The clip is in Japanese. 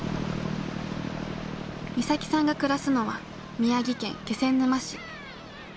岬さんが暮らすのは宮城県気仙沼市。